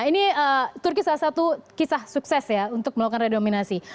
ini turki salah satu kisah sukses ya untuk melakukan redominasi